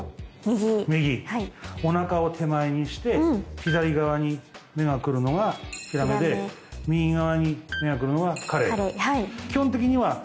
お腹を手前にして左側に目が来るのがヒラメで右側に目が来るのがカレイ。